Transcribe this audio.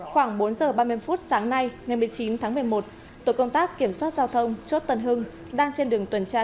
khoảng bốn h ba mươi sáng nay tổ công tác kiểm soát giao thông chốt tân hưng đang trên đường tuần tra